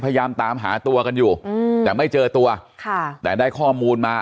พยายามตามหาตัวกันอยู่อืมแต่ไม่เจอตัวค่ะแต่ได้ข้อมูลมา